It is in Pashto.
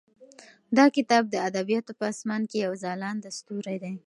دا کتاب د ادبیاتو په اسمان کې یو ځلانده ستوری دی.